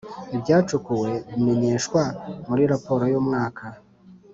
ibyacukuwe bimenyeshwa muri raporo y umwaka